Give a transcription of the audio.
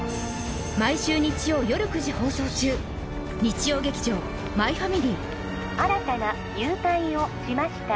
毎週日曜よる９時放送中日曜劇場「マイファミリー」☎新たな誘拐をしました